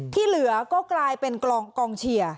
ที่เหลือก็กลายเป็นกองเชียร์